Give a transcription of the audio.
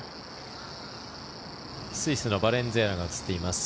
スイスのバレンズエラが映っています。